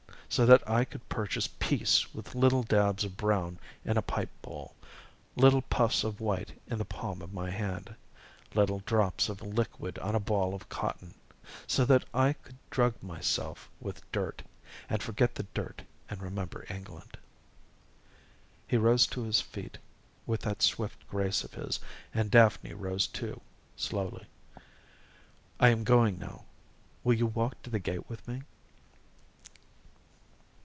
So that I could purchase peace with little dabs of brown in a pipe bowl, little puffs of white in the palm of my hand, little drops of liquid on a ball of cotton. So that I could drug myself with dirt and forget the dirt and remember England." He rose to his feet with that swift grace of his, and Daphne rose too, slowly. "I am going now; will you walk to the gate with me?"